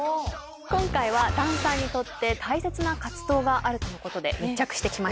今回はダンサーにとって大切な活動があるとのことで密着してきました。